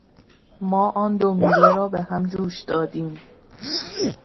ما آن دو میله را به هم جوش دادیم.